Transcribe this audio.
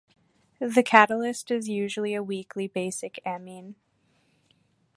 The catalyst is usually a weakly basic amine.